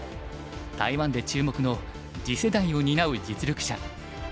台湾で注目の次世代を担う実力者。